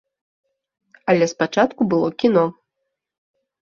Але спачатку было кіно.